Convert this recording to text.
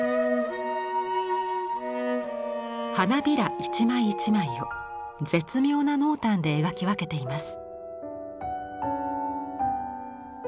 花びら一枚一枚を絶妙な濃淡で描き分けています。